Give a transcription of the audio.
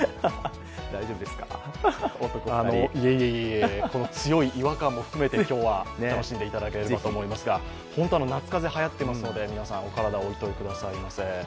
いえいえいえ、この強い違和感も含めて今日は楽しんでいただければと思いますが本当に夏風邪がはやっていますので皆さん、お体をおいといくださいませ。